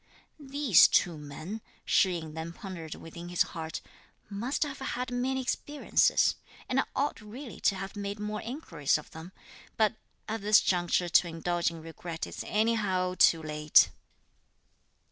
"These two men," Shih yin then pondered within his heart, "must have had many experiences, and I ought really to have made more inquiries of them; but at this juncture to indulge in regret is anyhow too late."